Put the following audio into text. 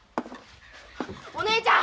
お姉ちゃん！